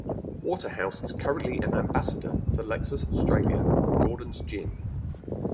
Waterhouse is currently an ambassador for Lexus Australia and Gordon’s Gin.